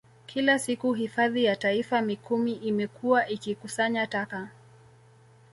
Kila siku Hifadhi ya Taifa Mikumi imekuwa ikikusanya taka